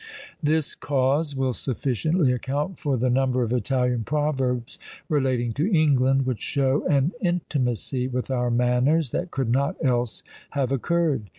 This cause will sufficiently account for the number of Italian proverbs relating to England, which show an intimacy with our manners that could not else have occurred.